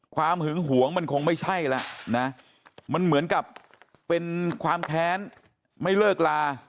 หึงหวงมันคงไม่ใช่แล้วนะมันเหมือนกับเป็นความแค้นไม่เลิกลา